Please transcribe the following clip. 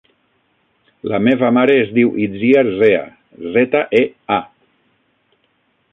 La meva mare es diu Itziar Zea: zeta, e, a.